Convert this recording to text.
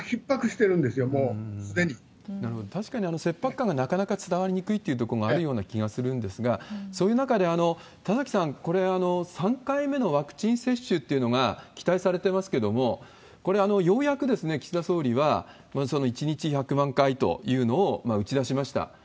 確かに切迫感がなかなか伝わりにくいというところがあるような気がするんですが、そういう中で、田崎さん、これは３回目のワクチン接種というのが期待されてますけれども、これ、ようやく岸田総理は１日１００万回というのを打ち出しました。